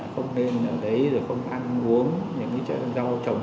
không nên ở đấy rồi không ăn uống những cái rau trồng